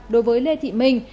đối với lê thị minh